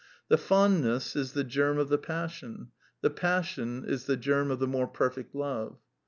The fond ness is the germ of the passion: the passion is the germ of the more perfect love.